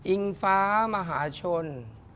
อิงฟ้ามหาชน